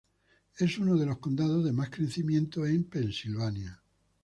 Es uno de los condados de más crecimiento en Pensilvania.